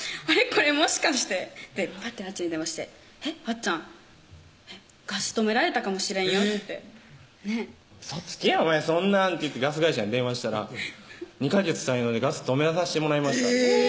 これもしかしてぱってあっちゃんに電話して「あっちゃん」「ガス止められたかもしれんよ」ってねっ「ウソつけお前そんなん」と言ってガス会社に電話したら「２カ月滞納でガス止めさしてもらいました」